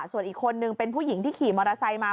ส่วนอีกคนนึงเป็นผู้หญิงที่ขี่มอเตอร์ไซค์มา